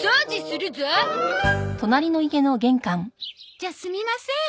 じゃすみません。